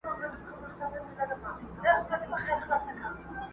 o سر چي د شال وړ وي د کشميره ور ته راځي!